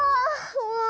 もう！